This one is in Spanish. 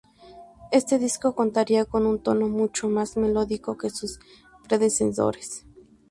Este disco contaría con un tono mucho más melódico que sus predecesores.